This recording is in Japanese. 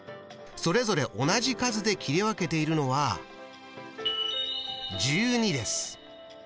それぞれ同じ数で切り分けているのは１２です。